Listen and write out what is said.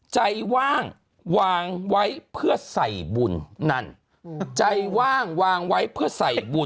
ใจว่างวางไว้เพื่อใส่บุญนั่นใจว่างวางไว้เพื่อใส่บุญ